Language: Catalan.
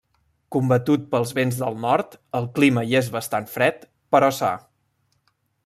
Combatut pels vents del nord, el clima hi és bastant fred, però sa.